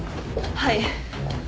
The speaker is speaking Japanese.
はい。